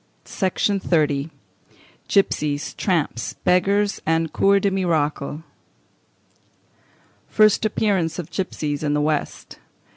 ] Gipsies, Tramps, Beggars, and Cours des Miracles. First Appearance of Gipsies in the West.